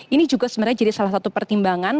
ini juga sebenarnya jadi salah satu pertimbangan